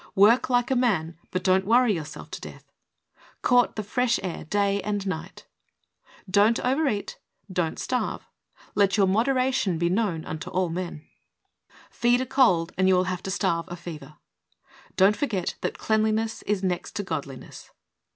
Work like a man, but don't worry your self to death. Court the fresh air day and night. Don't overeat. Don't starve. "Let your moderation be known unto all men." 80 THE soul winner's SECRET. "Feed a cold, and you will have to starve a fever." Don't forget that "Cleanliness is next to godliness."